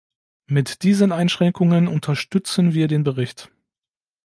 Mit diesen Einschränkungen unterstützen wir den Bericht.